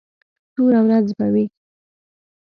توره ورځ به وي.